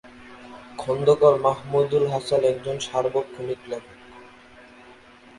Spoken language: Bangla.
খন্দকার মাহমুদুল হাসান একজন সার্বক্ষণিক লেখক।